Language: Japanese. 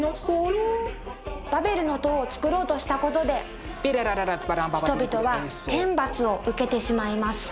バベルの塔をつくろうとしたことで人々は天罰を受けてしまいます。